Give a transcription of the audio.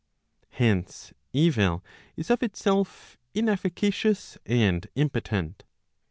Hence evil is of itself inefficacious and impotent.